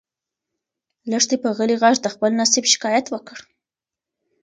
لښتې په غلي غږ د خپل نصیب شکایت وکړ.